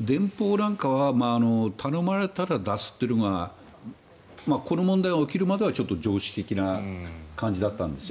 電報なんかは頼まれたら出すというのがこの問題が起きるまでは常識的な感じだったんですよ。